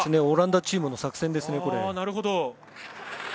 オランダチームの作戦ですね、これは。